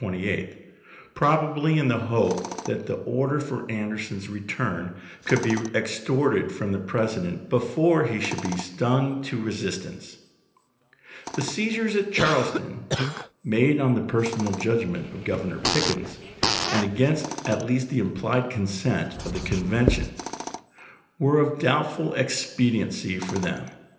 until about 10 o'clock on Friday morning, the 28th, probably in the hope that the order for Anderson's return could be extorted from the President before he should be stung to resistance. The seizures at Charleston, made on the per sonal judgment of Governor Pickens, and against at least the implied consent of the convention, were of doubtful expediency for them.